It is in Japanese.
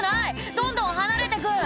どんどん離れてく」